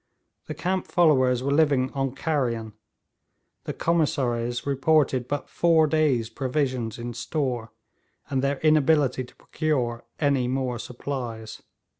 The camp followers were living on carrion; the commissaries reported but four days' provisions in store, and their inability to procure any more supplies.